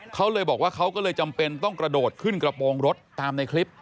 เขาเลยบอกว่าเขาก็เลยจำเป็นต้องกระโดดขึ้นกระโปรงรถตามในคลิป